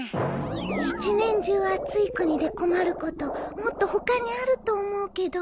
一年中暑い国で困ることもっと他にあると思うけど